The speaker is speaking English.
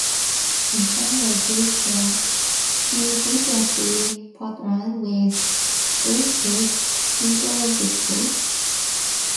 In team races he frequently partnered with sprint ace Pietro Bixio.